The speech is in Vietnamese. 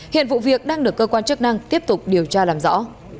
hiện vụ việc đang được cơ quan chức năng tiếp tục điều tra làm rõ